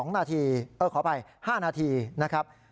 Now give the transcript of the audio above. ๒นาทีขออภัย๕นาทีนะครับ